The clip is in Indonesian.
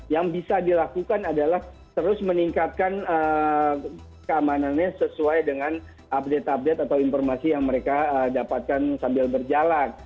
yang bisa dilakukan adalah terus meningkatkan keamanannya sesuai dengan update update atau informasi yang mereka dapatkan sambil berjalan